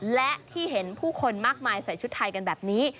และที่เห็นผู้คนมากมายใส่ชุดไทยกันแบบนี้